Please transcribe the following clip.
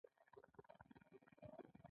دغه افراد د ژوند له اسانتیاوو څخه بې برخې دي.